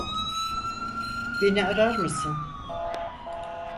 Beni arar mısın?